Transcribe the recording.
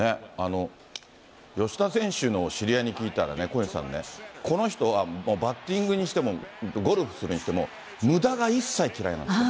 吉田選手の知り合いに聞いたらね、小西さんね、この人はバッティングにしても、ゴルフするにしても、むだが一切嫌いなんですって。